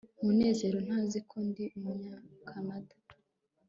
munezero ntazi ko ndi umunyakanada